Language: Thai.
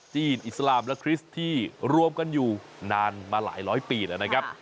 อิสลามและคริสต์ที่รวมกันอยู่นานมาหลายร้อยปีแล้วนะครับ